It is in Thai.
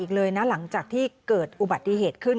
เลยนะหลังจากที่เกิดอุบัติเหตุขึ้น